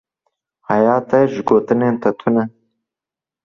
Hayê te ji gotinên te tune.